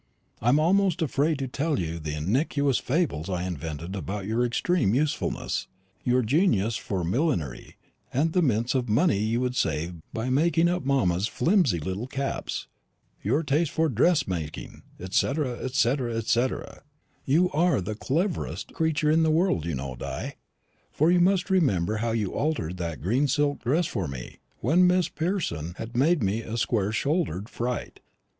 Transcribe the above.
I'm almost afraid to tell you the iniquitous fables I invented about your extreme usefulness; your genius for millinery, and the mints of money you would save by making up mamma's flimsy little caps; your taste for dress making, &c. &c. &c. You are the cleverest creature in the world, you know, Di; for you must remember how you altered that green silk dress for me when Miss Person had made me a square shouldered fright.